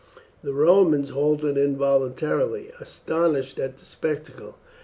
The Romans halted involuntarily, astonished at the spectacle.